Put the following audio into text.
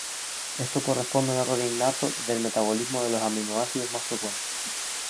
Esto corresponde a un error innato del metabolismo de los aminoácidos más frecuente.